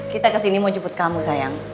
kita ke sini mau jemput kamu sayang